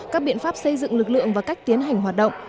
các biện pháp xây dựng lực lượng và cách tiến hành hoạt động